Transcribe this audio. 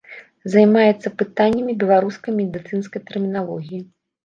Займаецца пытаннямі беларускай медыцынскай тэрміналогіі.